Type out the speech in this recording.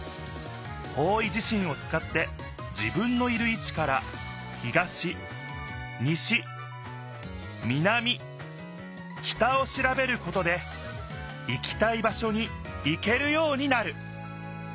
方位じしんをつかって自分のいるいちから東西南北をしらべることで行きたい場しょに行けるようになる！